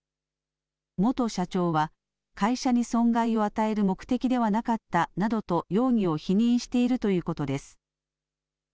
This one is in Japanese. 元社長は会社に損害を与える目的ではなかったなどと容疑を否認しているということです。